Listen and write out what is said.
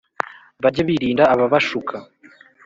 bage birinda ababashuka